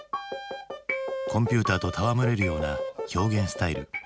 コンピューターと戯れるような表現スタイル。